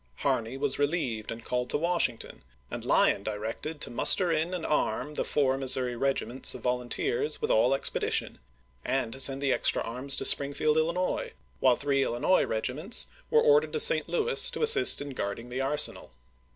Harney was relieved and called to Washington, and Lyon directed to muster in and arm the four Mis souri regiments of volunteers with all expedition, and to send the extra arms to Springfield, Illinois, while three Illinois regiments were ordered to St. Louis to assist in guarding the arsenal.